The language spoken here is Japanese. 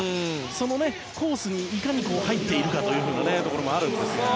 そのコースに、いかに入っているかというのもあるんですが。